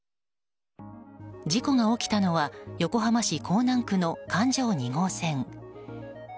事故が起きたのは横浜市港南区の環状２号線。